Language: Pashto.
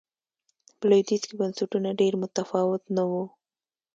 په لوېدیځ کې بنسټونه ډېر متفاوت نه و.